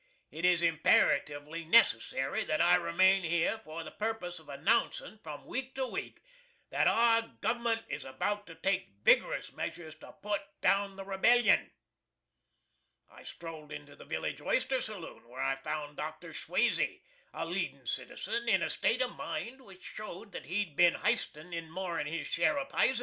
It is imperatively necessary that I remain here for the purpose of announcin', from week to week, that OUR GOV'MENT IS ABOUT TO TAKE VIGOROUS MEASURES TO PUT DOWN THE REBELLION!" I strolled into the village oyster saloon, where I found Dr. SCHWAZEY, a leadin' citizen in a state of mind which showed that he'd bin histin' in more'n his share of pizen.